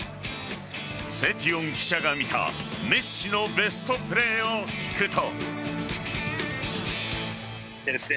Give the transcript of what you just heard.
セティオン記者が見たメッシのベストプレーを聞くと。